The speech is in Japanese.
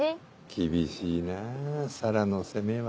厳しいなぁ紗良の攻めは。